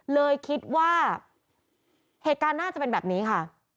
เลยคิดว่าเหตุการณ์น่าจะเป็นแบบนี้ค่ะ